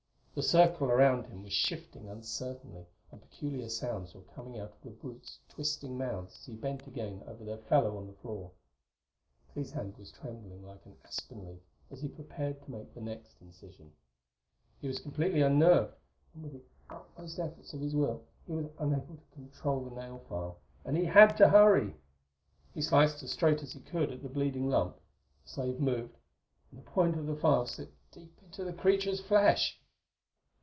The circle around him was shifting uncertainly, and peculiar sounds were coming out of the brutes' twisting mouths as he bent again over their fellow on the floor. Clee's hand was trembling like an aspen leaf as he prepared to make the next incision. He was completely unnerved, and with the utmost efforts of his will he was unable to control the nailfile. And he had to hurry! He sliced as straight as he could at the bleeding lump; the slave moved; and the point of the file slipped deep into the creature's flesh!